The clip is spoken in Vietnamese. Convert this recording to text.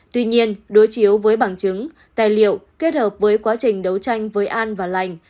tuy nhiên đối chiếu với bằng chứng tài liệu kết hợp với quá trình đấu tranh với an và lành